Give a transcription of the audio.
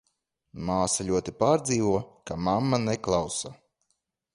Māsa ļoti pārdzīvo, ka mamma neklausa.